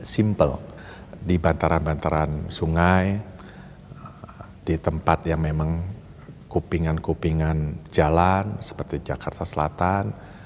simple di bantaran bantaran sungai di tempat yang memang kupingan kupingan jalan seperti jakarta selatan